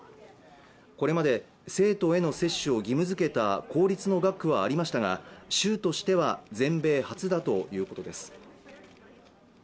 これまで生徒への接種を義務づけた公立の学区はありましたが州としては全米初だということです